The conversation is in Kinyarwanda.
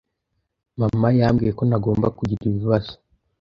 Mama yambwiye ko ntagomba kugira ibibazo